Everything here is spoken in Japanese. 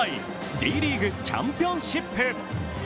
Ｄリーグチャンピオンシップ。